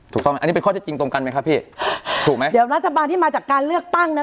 ถูกต้องไหมอันนี้เป็นข้อเท็จจริงตรงกันไหมครับพี่ถูกไหมเดี๋ยวรัฐบาลที่มาจากการเลือกตั้งนะ